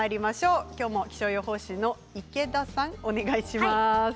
今日も気象予報士の池田さん、お願いします。